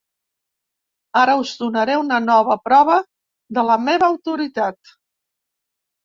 Ara us donaré una nova prova de la meva autoritat.